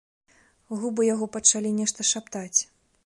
Губы яго пачалі нешта шаптаць.